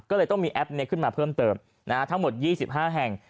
ก็เลยต้องมีแอปนี้ขึ้นมาเพิ่มเติมทั้งหมด๒๕แห่ง